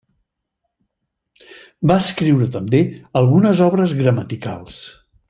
Va escriure també algunes obres gramaticals.